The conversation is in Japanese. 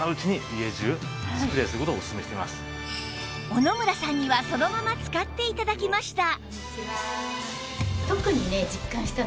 小野村さんにはそのまま使って頂きました